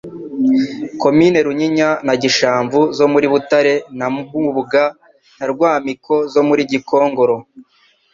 Komini Runyinya na Gishamvu zo muri Butare na Mubuga na Rwamiko zo muri Gikongoro)